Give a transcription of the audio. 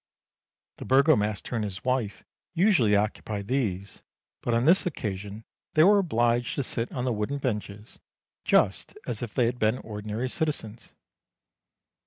The burgomaster and his wife usually occupied these, but on this occasion they were obliged to sit on the wooden benches, just as if they had been ordinary citizens.